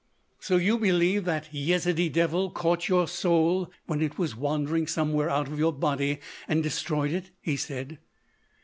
"So you believe that Yezidee devil caught your soul when it was wandering somewhere out of your body, and destroyed it," he said.